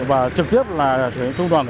và trực tiếp là trung đoàn